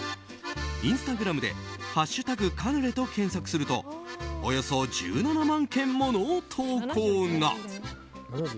インスタグラムで「＃カヌレ」と検索するとおよそ７１万件もの投稿が。